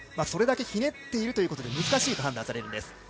それだけひねっているということで難しいと判断されます。